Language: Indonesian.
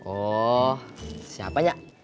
oh siapa nya